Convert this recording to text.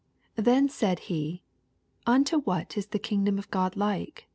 18 Then said he, Unto what is the kingdom of Gk>d like